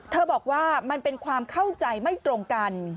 บอกว่ามันเป็นความเข้าใจไม่ตรงกัน